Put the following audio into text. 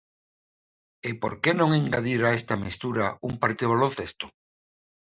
E por que non engadir a esta mestura un partido de baloncesto?